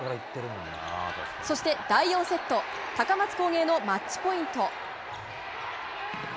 そして第４セット高松工芸のマッチポイント。